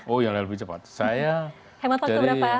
oh iya lebih cepat saya